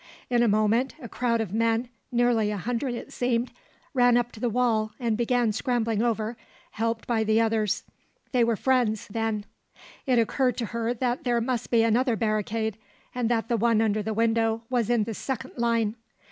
In a moment a crowd of men, nearly a hundred it seemed, ran up to the wall and began scrambling over, helped by the others. They were friends, then; it occurred to her that there must be another barricade, and that the one under the window was in the second line.